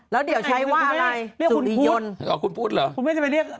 แล้วเดี๋ยวใช้ว่าอะไร